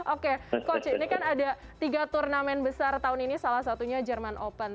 oke coach ini kan ada tiga turnamen besar tahun ini salah satunya jerman open